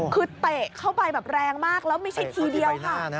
คือเตะเข้าไปแบบแรงมากแล้วไม่ใช่ทีเดียวค่ะ